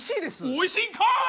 おいしいんかい！